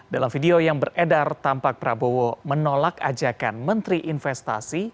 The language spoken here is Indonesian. dalam video yang beredar tampak prabowo menolak ajakan menteri investasi